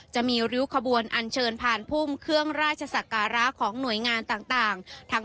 จะมีริ้วขบวนอันเชิญผ่านพุ่มเครื่องราชศักระของหน่วยงานต่าง